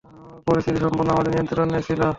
পরিস্থিতি সম্পূর্ণ আমাদের নিয়ন্ত্রনে ছিল!